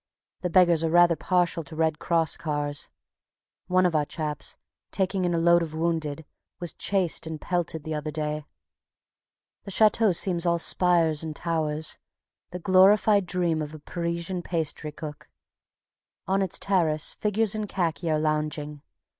The beggars are rather partial to Red Cross cars. One of our chaps, taking in a load of wounded, was chased and pelted the other day. The Chateau seems all spires and towers, the glorified dream of a Parisian pastrycook. On its terrace figures in khaki are lounging.